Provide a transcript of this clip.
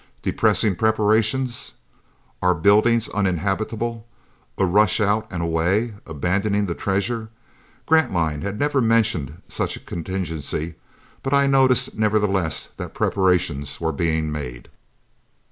Depressing preparations! Our buildings uninhabitable, a rush out and away, abandoning the treasure.... Grantline had never mentioned such a contingency, but I noticed, nevertheless, that preparations were being made.